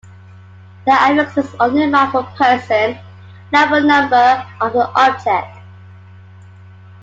The affixes only mark for person, not for number of the object.